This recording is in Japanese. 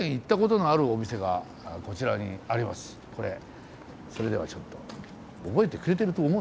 それではちょっと覚えてくれてると思うんですけどね。